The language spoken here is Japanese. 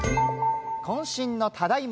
こん身のただいま。